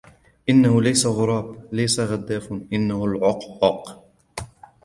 إنهُ ليس غُراب, ليس غداف.إنهُ العَقعَق.